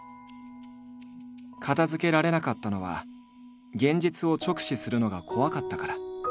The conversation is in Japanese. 片づけられなかったのは現実を直視するのが怖かったから。